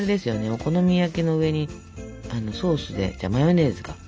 お好み焼きの上にソースでマヨネーズか。